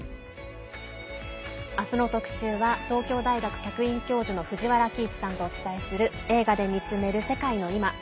あすの特集は東京大学客員教授の藤原帰一さんがお伝えする「映画で見つめる世界のいま」。